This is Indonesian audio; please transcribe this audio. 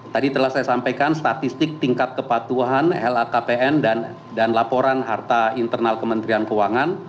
tadi telah saya sampaikan statistik tingkat kepatuhan lhkpn dan laporan harta internal kementerian keuangan